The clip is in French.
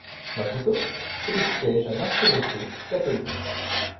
Maputo est le siège d'un archevêché catholique.